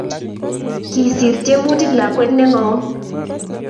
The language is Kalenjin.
Kisiir tyemutik lakwet nengom